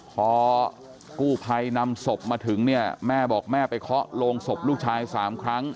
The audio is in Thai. พอกู้ภัยนำศพมาถึงเนี่ยแม่บอกแม่ไปเคาะโรงศพลูกชาย๓ครั้ง